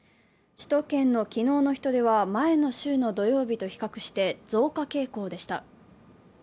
首都圏の昨日の人出は前の週の土曜日と比較して増加傾向でした。